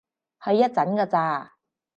去一陣㗎咋